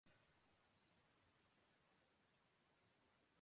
خانہ کعبہ میں موجود بتوں کا بھی ذکر ہوا